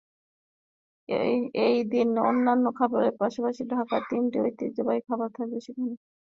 এই দিন অন্যান্য খাবারের পাশাপাশি ঢাকার তিনটি ঐতিহ্যবাহী খাবার থাকবে সেখানে।